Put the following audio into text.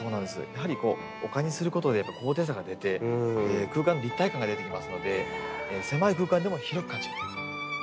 やはり丘にすることで高低差が出て空間の立体感が出てきますので狭い空間でも広く感じる。